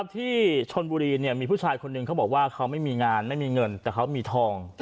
ที่ชนบุรีมีผู้ชายคนหนึ่งเขาบอกว่าเขาไม่มีงานไม่มีเงินแต่เขามีทอง